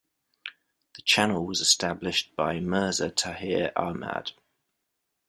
The channel was established by Mirza Tahir Ahmad.